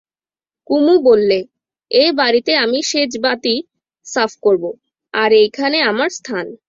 কুমু বললে, এ বাড়িতে আমি সেজবাতি সাফ করব, আর এইখানে আমার স্থান।